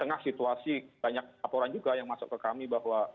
apakah orang juga yang masuk ke kami bahwa